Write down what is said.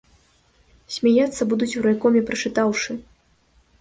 Смяяцца будуць у райкоме, прачытаўшы.